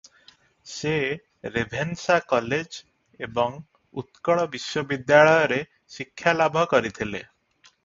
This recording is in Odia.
ସେ ରେଭେନ୍ସା କଲେଜ ଏବଂ ଉତ୍କଳ ବିଶ୍ୱବିଦ୍ୟାଳୟରେ ଶିକ୍ଷାଲାଭ କରିଥିଲେ ।